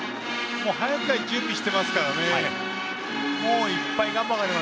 早くから準備していますからね。